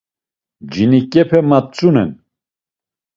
Ciniǩepe matzunen.